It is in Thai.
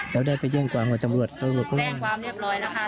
แล้วได้ไปแจ้งความว่าตำรวจแจ้งความเรียบร้อยนะคะ